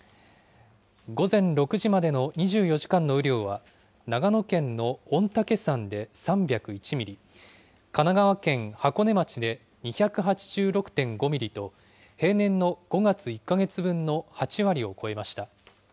午前６時までの２４時間の雨量は長野県の御嶽山で３０１ミリ、神奈川県箱根町で２８６．５ミリと、平年の５月１か月分の８割を超えました。